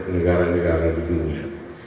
negara negara di dunia